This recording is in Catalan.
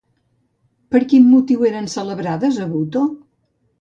Per quin motiu eren celebrades a Buto?